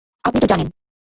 আপনি তো জানেন।